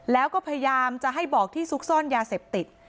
แล้วก็พยายามจะให้บอกที่ซุกซ่อนยาเสพติด